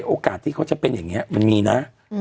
โอกาสที่เขาจะเป็นอย่างนี้มันมีนะ